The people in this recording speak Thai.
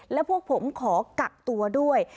และพวกผมขอกักตัวด้วย